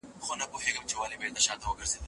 انا د ماشوم مخ په خپلو دواړو لړزېدلو لاسونو کې ونیو.